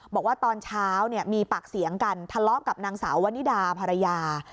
บอกว่าตอนเช้ามีปากเสียงกันทะเลาะกับนางสาววนิดาภรรยา